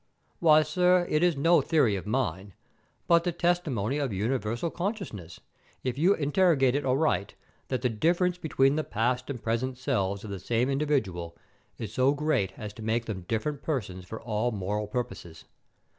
"Why, sir, it is no theory of mine, but the testimony of universal consciousness, if you interrogate it aright, that the difference between the past and present selves of the same individual is so great as to make them different persons for all moral purposes.